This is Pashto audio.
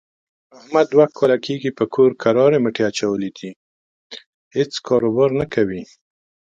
احمد دوه کاله کېږي په کور کرارې مټې اچولې دي، هېڅ کاروبار نه کوي.